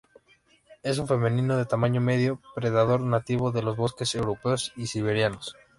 Es un felino de tamaño medio, predador nativo de los bosques europeos y siberianos.